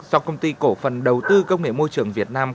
do công ty cổ phần đầu tư công nghệ môi trường việt nam